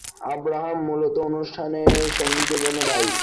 অব্রাহাম মূলত অনুষ্ঠানের সঙ্গীতের জন্য দায়ী।